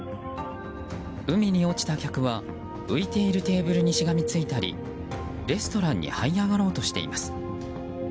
海に落ちた客は、浮いているテーブルにしがみついたりレストランにはい上がろうとしています。